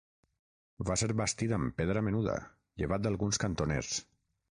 Va ser bastit amb pedra menuda, llevat d'alguns cantoners.